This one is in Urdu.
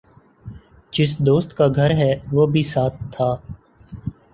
جس دوست کا گھر ہےوہ بھی ساتھ تھا ۔